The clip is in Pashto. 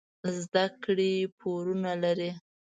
زده کړې پورونه لري.